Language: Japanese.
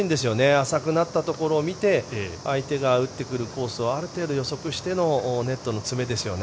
浅くなったところを見て相手が打ってくるコースをある程度予測してのネットの詰めですよね。